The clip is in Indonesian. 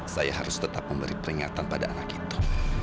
saya harus tetap memberi peringatan pada anak itu